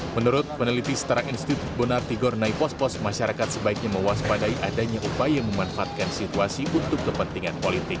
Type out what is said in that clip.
menurut peneliti setara institut bonartigor naipospos masyarakat sebaiknya mewaspadai adanya upaya memanfaatkan situasi untuk kepentingan politik